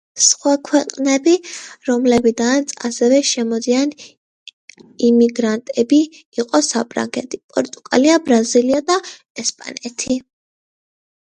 სხვა ქვეყნები, რომლებიდანაც ასევე შემოვიდნენ იმიგრანტები, იყო საფრანგეთი, პორტუგალია, ბრაზილია და ესპანეთი.